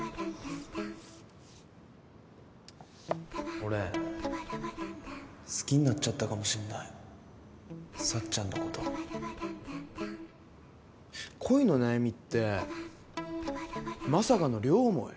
俺好きになっちゃったかもしんないさっちゃんのこと恋の悩みってまさかの両思い？